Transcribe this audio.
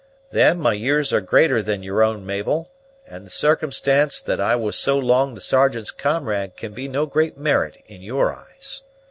Then, my years are greater than your own, Mabel; and the circumstance that I was so long the Sergeant's comrade can be no great merit in your eyes.